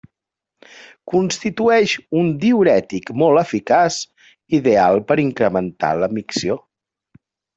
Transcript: Constitueix un diürètic molt eficaç, ideal per incrementar la micció.